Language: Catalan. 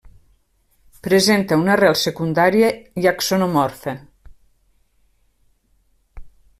Presenta una rel secundària i axonomorfa.